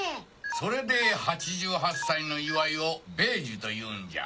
それで８８歳の祝いを「米寿」というんじゃ。